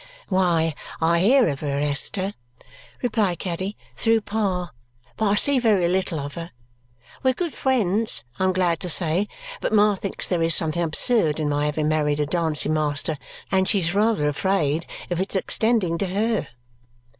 "Why, I hear of her, Esther," replied Caddy, "through Pa, but I see very little of her. We are good friends, I am glad to say, but Ma thinks there is something absurd in my having married a dancing master, and she is rather afraid of its extending to her."